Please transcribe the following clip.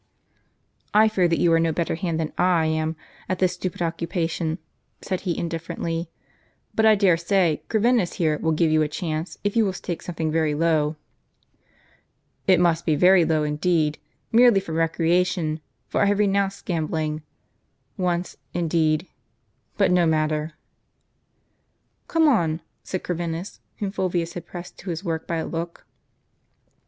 I fear you are not a better hand than I am at this stupid occupation," said he indifferently; "but, I dare say, Corvinus here will give you a chance, if you will stake something very low." " It must be very low indeed, — merely for recreation ; for I have renounced gambling. Once, indeed — but no matter." " Come on," said Corvinus, whom Fulvius had pressed to his work by a look.